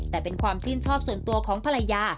แต่เป็นความชื่นชอบส่วนตัวของภรรยา